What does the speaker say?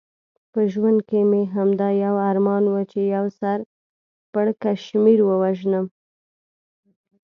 په ژوند کې مې همدا یو ارمان و، چې یو سر پړکمشر ووژنم.